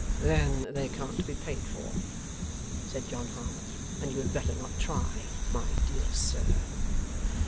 'Then they can't be paid for,' said John Harmon, 'and you had better not try, my dear sir.